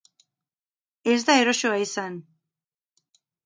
Ez da erosoa izan.